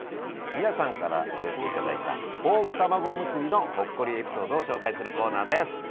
皆さんからお寄せいただいたポークたまごおむすびのほっこりエピソードを紹介するコーナーです。